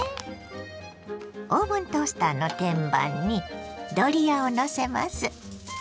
オーブントースターの天板にドリアをのせます。